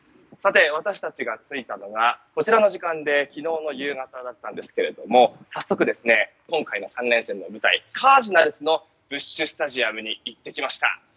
私たちが着いたのがこちらの時間で昨日の夕方だったんですけども早速、今回の３連戦の舞台カージナルスのブッシュ・スタジアムに行ってきました。